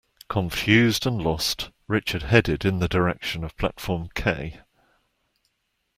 Confused and lost, Richard headed in the direction of platform K.